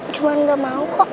cuma gak mau kok